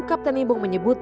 kapten limbong menyebut